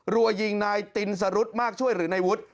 รัวยิงนายตินสรุธมากช่วยหรือนายวุฒิ